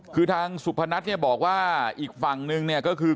คือทางสุพนัทเนี่ยบอกว่าอีกฝั่งนึงเนี่ยก็คือ